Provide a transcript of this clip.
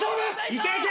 いけいけ！